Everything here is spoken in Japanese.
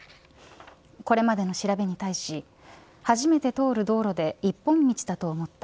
これまでの調べに対し初めて通る道路で一本道だと思った。